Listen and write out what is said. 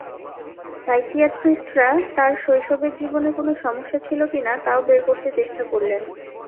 সাইকিয়াট্রিস্টরা তার শৈশবের জীবনে কোনো সমস্যা ছিল কি না তাও বের করতে চেষ্টা করলেন।